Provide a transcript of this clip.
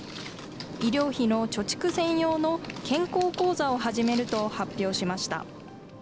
医療費の貯蓄専用の健康口座を始めると発表しました。